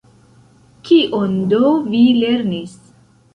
Kion do vi lernis?